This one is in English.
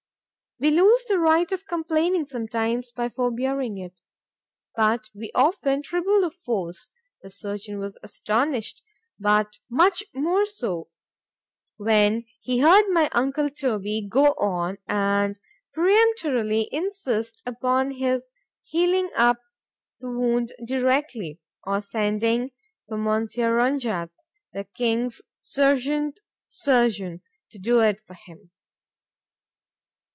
—We lose the right of complaining sometimes by forbearing it;—but we often treble the force:—The surgeon was astonished; but much more so, when he heard my uncle Toby go on, and peremptorily insist upon his healing up the wound directly,—or sending for Monsieur Ronjat, the king's serjeant surgeon, to do it for him.